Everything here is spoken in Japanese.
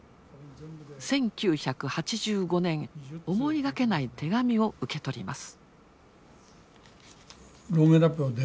１９８５年思いがけない手紙を受け取ります。